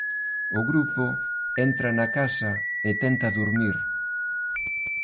O grupo entra na casa e tenta durmir.